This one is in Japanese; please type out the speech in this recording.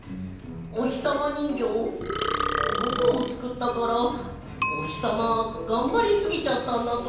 おひさまにんぎょうを５こもつくったからおひさまがんばりすぎちゃったんだとおもう。